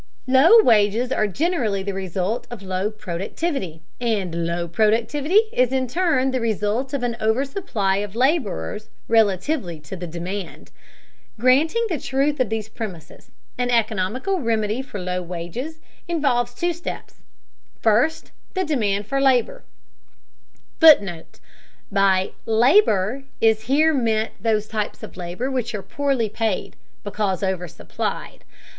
Low wages are generally the result of low productivity, and low productivity is in turn the result of an oversupply of laborers relatively to the demand. Granting the truth of these premises, an economical remedy for low wages involves two steps: first, the demand for labor [Footnote: By "labor" is here meant those types of labor which are poorly paid, because oversupplied.